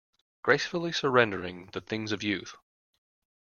Gracefully surrendering the things of youth.